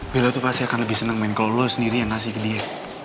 bella tuh pasti akan lebih seneng main kalau lo sendiri yang kasih ke dia